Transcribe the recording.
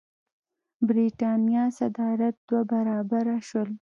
برېټانیا صادرات دوه برابره شول.